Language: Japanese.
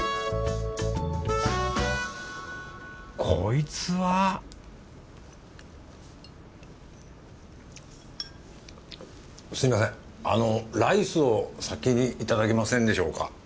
こいつはすみませんあのライスを先にいただけませんでしょうか？